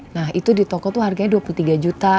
nah itu di toko itu harganya dua puluh tiga juta